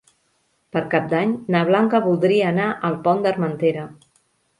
Per Cap d'Any na Blanca voldria anar al Pont d'Armentera.